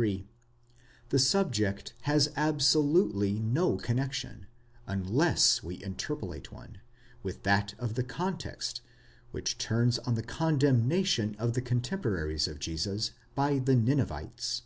33), the subject has absolutely no connexion, unless we interpolate one,' with that of the context, which turns on the condemnation of the cotemporaries of Jesus by the Ninevites.